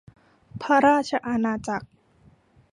พระราชอาณาจักร